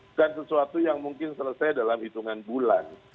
bukan sesuatu yang mungkin selesai dalam hitungan bulan